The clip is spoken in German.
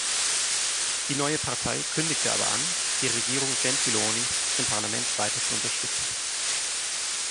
Die neue Partei kündigte aber an, die Regierung Gentiloni im Parlament weiter zu unterstützen.